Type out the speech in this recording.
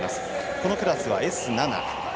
このクラスはＳ７。